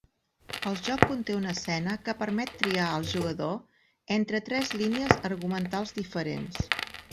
El joc conté una escena que permet triar al jugador entre tres línies argumentals diferents.